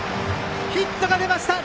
ヒットが出ました！